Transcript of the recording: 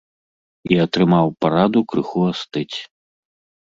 І атрымаў параду крыху астыць.